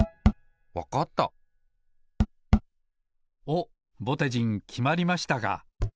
おっぼてじんきまりましたか。